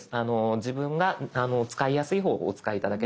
自分が使いやすい方法をお使い頂ければ十分です。